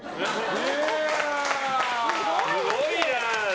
すごいな。